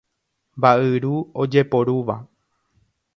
Mba'yru ojeporúva.